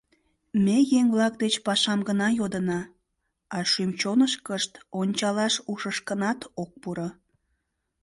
— Ме еҥ-влак деч пашам гына йодына, а шӱм-чонышкышт ончалаш ушышкынат ок пуро.